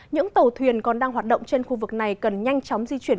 những tàu thuyền còn đang hoạt động trên khu vực này cần nhanh chóng di chuyển